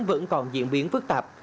vẫn còn diễn biến phức tạp